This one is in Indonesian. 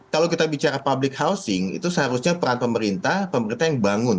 kalau kita bicara public housing itu seharusnya peran pemerintah pemerintah yang bangun